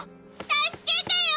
助けてよ！